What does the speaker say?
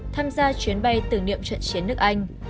tham gia chuyến bay tử niệm trận chiến nước anh